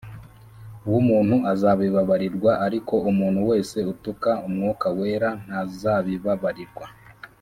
W umuntu azabibabarirwa ariko umuntu wese utuka umwuka wera ntazabibabarirwa